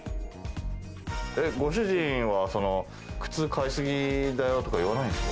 ご主人は靴買いすぎだよとかって言わないんですか？